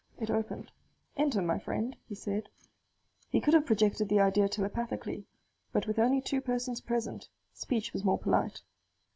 It opened. "Enter, my friend," he said. He could have projected the idea telepathically; but with only two persons present, speech was more polite.